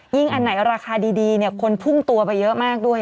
อันไหนราคาดีคนพุ่งตัวไปเยอะมากด้วย